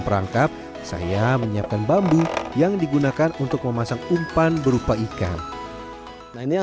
perangkap saya menyiapkan bambu yang digunakan untuk memasang umpan berupa ikan nah ini yang